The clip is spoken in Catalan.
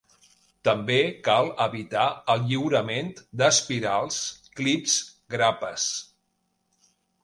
També cal evitar el lliurament d'espirals, clips, grapes...